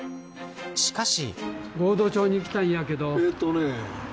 しかし。